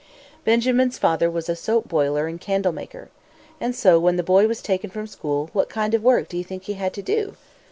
Benjamin's father was a soap boiler and candle maker. And so when the boy was taken from school, what kind of work do you think he had to do?